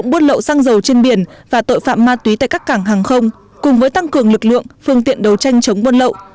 phạm ma túy tại các cảng hàng không cùng với tăng cường lực lượng phương tiện đấu tranh chống buôn lậu